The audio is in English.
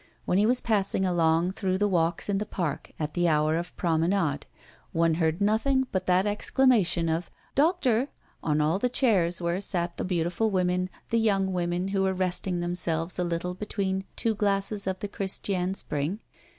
When he was passing along through the walks in the park, at the hour of promenade, one heard nothing but that exclamation of "Doctor" on all the chairs where sat the beautiful women, the young women, who were resting themselves a little between two glasses of the Christiane Spring.